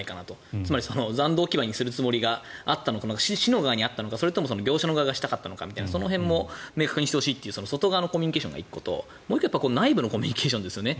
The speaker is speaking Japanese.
つまり残土置き場にするつもりがあったのか市の側にあったのかそれとも業者側がしたかったのかその辺も明確にしてほしいという外側のコミュニケーションが１個ともう１個は、内部のコミュニケーションですよね。